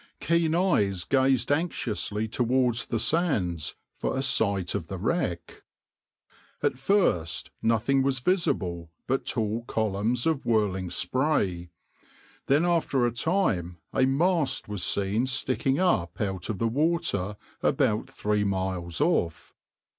Keen eyes gazed anxiously towards the sands for a sight of the wreck. At first nothing was visible but tall columns of whirling spray, then after a time a mast was seen sticking up out of the water about three miles off.